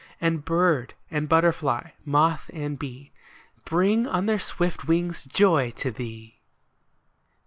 And bird and butterfly, moth and bee, Bring on their swift wings joy to thee